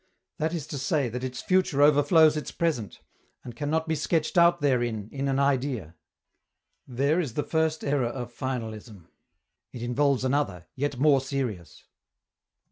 That is to say that its future overflows its present, and can not be sketched out therein in an idea. There is the first error of finalism. It involves another, yet more serious.